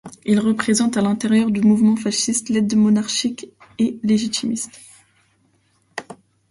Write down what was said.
Il représente à l'intérieur du mouvement fasciste l'aile monarchique et légitimiste.